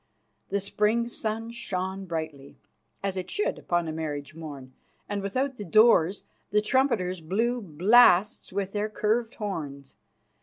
The spring sun shone brightly, as it should upon a marriage morn, and without the doors the trumpeters blew blasts with their curved horns.